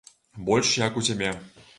Больш як у цябе.